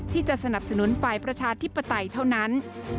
สนับสนุนฝ่ายประชาธิปไตยเท่านั้น